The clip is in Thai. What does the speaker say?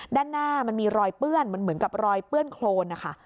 ด้านหน้ามันมีรอยเปื้อนมันเหมือนกับรอยเปื้อนโครนนะคะ